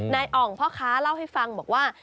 อ่องพ่อค้าเล่าให้ฟังบอกว่า